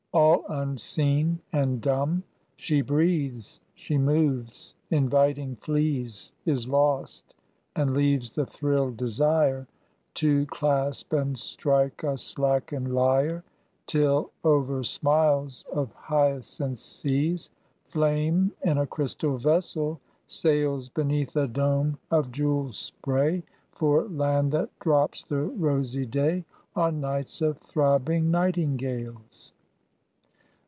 All unseen and dumb, She breathes, she moves, inviting flees, Is lost, and leaves the thrilled desire To clasp and strike a slackened lyre, Till over smiles of hyacinth seas, Flame in a crystal vessel sails Beneath a dome of jewelled spray, For land that drops the rosy day On nights of throbbing nightingales.